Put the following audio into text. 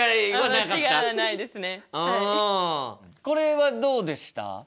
これはどうでした？